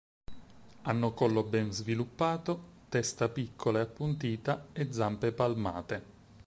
Hanno collo ben sviluppato, testa piccola e appuntita e zampe palmate.